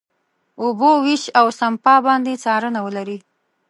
اوبو وېش، او سپما باندې څارنه ولري.